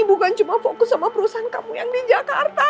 bukan cuma fokus sama perusahaan kamu yang di jakarta